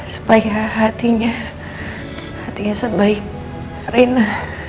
supaya hatinya hatinya sebaik rina